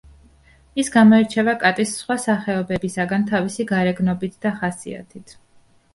ის გამოირჩევა კატის სხვა სახეობებისაგან თავისი გარეგნობით და ხასიათით.